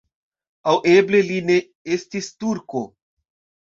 Aŭ eble li ne estis turko.